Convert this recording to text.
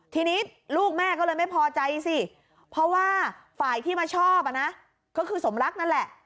ทีนี้ลูกแม่ก็เลยไม่พอใจสิเพราะว่าฝ่ายที่มาชอบก็คือสมรักนั่นแหละ